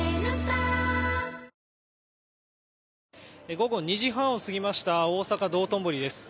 午後２時半を過ぎました大阪・道頓堀です。